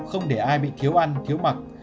không để ai bị thiếu ăn thiếu mặc